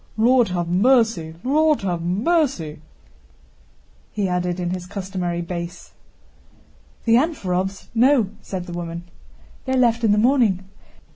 "Lord have mercy, Lord have mercy!" he added in his customary bass. "The Anférovs? No," said the woman. "They left in the morning.